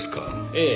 ええ。